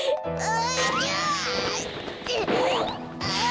あ。